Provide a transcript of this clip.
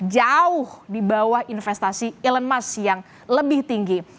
jauh di bawah investasi elon musk yang lebih tinggi